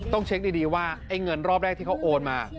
ต้องเช็คดีว่าไอ้เงินรอบแรกที่เขาโอนมา